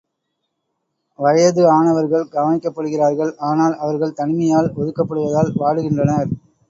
வயது ஆனவர்கள் கவனிக்கப்படுகிறார்கள் ஆனால் அவர்கள் தனிமையால் ஒதுக்கப்படுவதால் வாடுகின்றனர்.